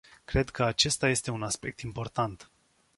Cred că acesta este un aspect important.